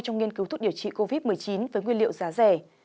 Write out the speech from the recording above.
trong nghiên cứu thuốc điều trị covid một mươi chín với nguyên liệu giá rẻ